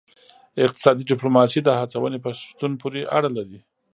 اقتصادي ډیپلوماسي د هڅونې په شتون پورې اړه لري